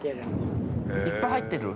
いっぱい入ってる？